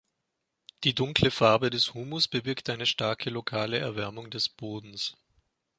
Die dunkle Farbe des Humus bewirkt eine starke lokale Erwärmung des Bodens.